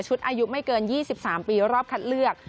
อายุไม่เกิน๒๓ปีรอบคัดเลือก